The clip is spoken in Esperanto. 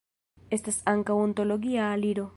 Eblas ankaŭ ontologia aliro.